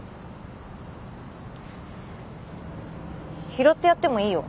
拾ってやってもいいよ